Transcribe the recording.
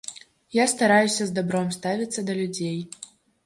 Я стараюся з дабром ставіцца да людзей.